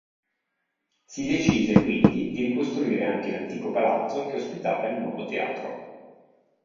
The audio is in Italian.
Si decise, quindi, di ricostruire anche l'antico palazzo che ospitava il nuovo teatro.